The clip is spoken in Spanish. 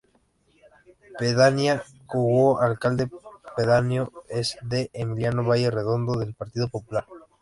Pedanía cuyo Alcalde Pedáneo es D. Emiliano Valle Redondo del Partido Popular.